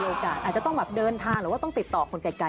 อย่างแรกเลยก็คือการทำบุญเกี่ยวกับเรื่องของพวกการเงินโชคลาภ